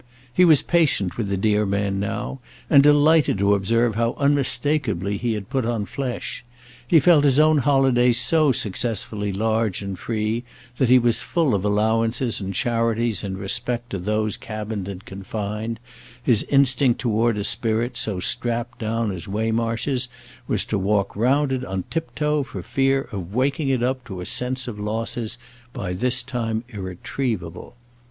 He was patient with the dear man now and delighted to observe how unmistakeably he had put on flesh; he felt his own holiday so successfully large and free that he was full of allowances and charities in respect to those cabined and confined: his instinct toward a spirit so strapped down as Waymarsh's was to walk round it on tiptoe for fear of waking it up to a sense of losses by this time irretrievable.